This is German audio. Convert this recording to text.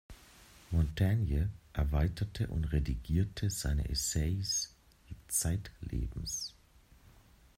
Montaigne erweiterte und redigierte seine "Essais" zeitlebens.